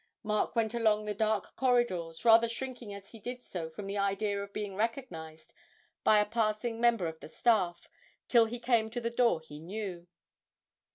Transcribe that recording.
Mark went along the dark corridors, rather shrinking as he did so from the idea of being recognised by a passing member of the staff, till he came to the door he knew.